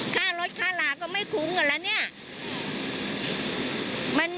ค่ารถค่าลาก็ไม่คุ้มกันแล้วเนี่ย